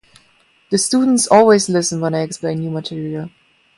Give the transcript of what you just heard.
The students always listen when I explain new material.